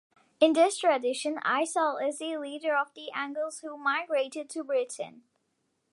In this tradition, Icel is the leader of the Angles who migrated to Britain.